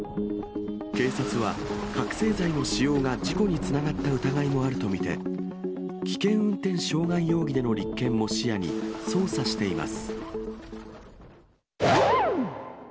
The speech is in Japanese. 警察は覚醒剤の使用が事故につながった疑いもあると見て、危険運転傷害容疑での立件も視野に、捜査しています。